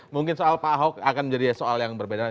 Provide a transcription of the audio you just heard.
mungkin soal pak ahok akan menjadi soal yang berbeda